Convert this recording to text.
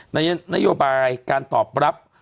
วันนี้นโยบายการตอบรับ